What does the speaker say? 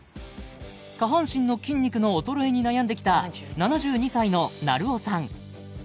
下半身の筋肉の衰えに悩んできた７２歳の成尾さん